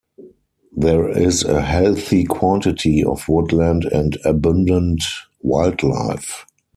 There is a healthy quantity of woodland and abundant wildlife.